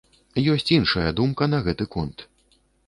Ёсць іншая думка на гэты конт.